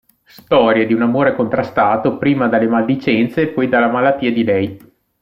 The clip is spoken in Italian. Storia di un amore contrastato prima dalle maldicenze e poi dalla malattia di lei.